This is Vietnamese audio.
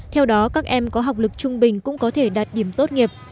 theo đó các em có học lực trung bình cũng có thể đạt điểm tốt nghiệp